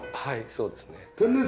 はいそうですね。